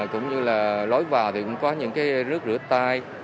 cũng như là lối vào thì cũng có những cái rước rửa tay